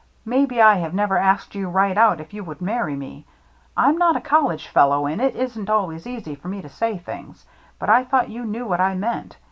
Maybe I have never asked you right out if you would marry me. I'm not a college fellow, and it isn't always easy for me to say things, but I thought you knew what I meant.